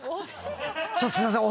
ちょっとすいません。